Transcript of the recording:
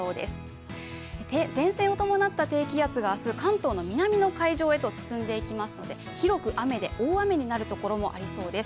明日関東の南の海上へと進んでいきますので広く雨で大雨になるところもありそうです。